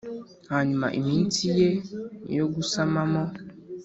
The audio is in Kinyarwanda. hanyuma iminsi ye yo gusamamo